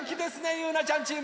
ゆうなちゃんチーム。